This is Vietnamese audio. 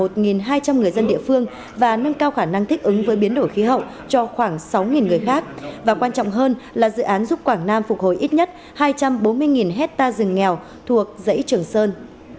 theo khả năng thích ứng với biến đổi khí hậu cho khoảng sáu người khác và quan trọng hơn là dự án giúp quảng nam phục hồi ít nhất hai trăm bốn mươi hectare rừng nghèo thuộc dãy trường sơn